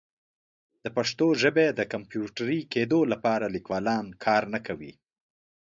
د پښتو ژبې د کمپیوټري کیدو لپاره لیکوالان کار نه کوي.